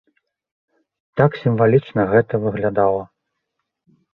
Так сімвалічна гэта выглядала.